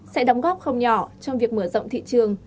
sẽ đóng góp không nhỏ trong việc mở rộng thị trường